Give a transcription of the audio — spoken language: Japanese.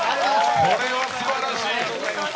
これはすばらしい！